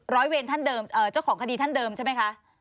ร้อยเวรท่านเดิมเจ้าของคดีท่านเดิมใช่ไหมคะ